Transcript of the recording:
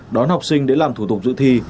đón học sinh để làm thủ tục giữ thi